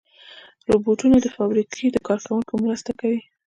روبوټونه د فابریکې د کار کوونکو مرسته کوي.